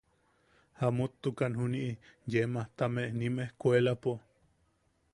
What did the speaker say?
Jamuttukan juniʼi u yee majtame nim ejkuelapo.